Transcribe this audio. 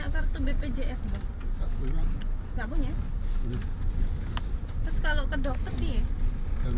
versi itu sangat mirip hei